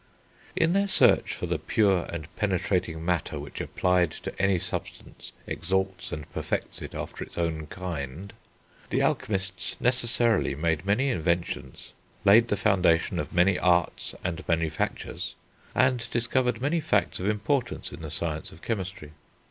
In their search for "the pure and penetrating matter which applied to any substance exalts and perfects it after its own kind," the alchemists necessarily made many inventions, laid the foundation of many arts and manufactures, and discovered many facts of importance in the science of chemistry.